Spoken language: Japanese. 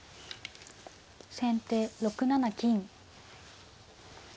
先手６七金。